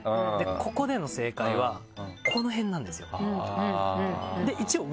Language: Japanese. ここでの正解はこの辺なんですよ。